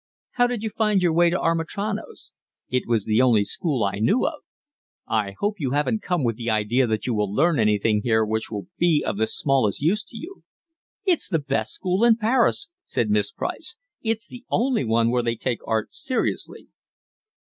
"How did you find your way to Amitrano's?" "It was the only school I knew of." "I hope you haven't come with the idea that you will learn anything here which will be of the smallest use to you." "It's the best school in Paris," said Miss Price. "It's the only one where they take art seriously."